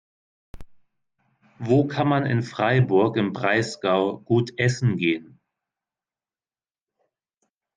Wo kann man in Freiburg im Breisgau gut essen gehen?